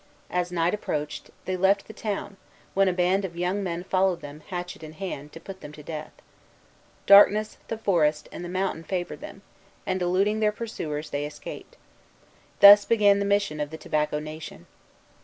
As night approached, they left the town, when a band of young men followed them, hatchet in hand, to put them to death. Darkness, the forest, and the mountain favored them; and, eluding their pursuers, they escaped. Thus began the mission of the Tobacco Nation.